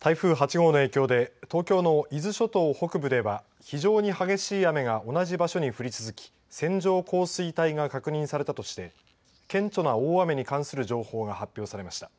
台風８号の影響で東京の伊豆諸島北部では非常に激しい雨が同じ場所に降り続き線状降水帯が確認されたとして顕著の大雨に関する情報が発表されました。